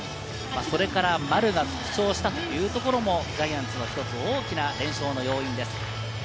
それから丸が復調したというところもジャイアンツの一つ大きな連勝の要因です。